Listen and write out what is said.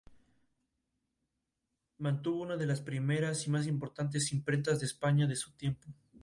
Mantuvo una de las primeras y más importantes imprentas de España de su tiempo.